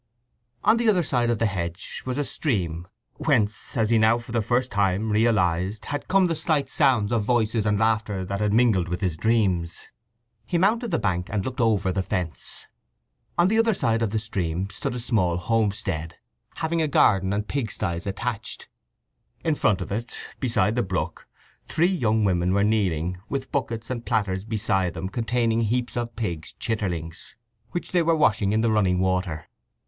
On the other side of the hedge was a stream, whence, as he now for the first time realized, had come the slight sounds of voices and laughter that had mingled with his dreams. He mounted the bank and looked over the fence. On the further side of the stream stood a small homestead, having a garden and pig sties attached; in front of it, beside the brook, three young women were kneeling, with buckets and platters beside them containing heaps of pigs' chitterlings, which they were washing in the running water.